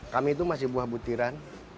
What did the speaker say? kami itu masih buah butiran